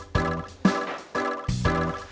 pergi ke rumah